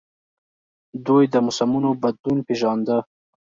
دوی د موسمونو بدلون پیژانده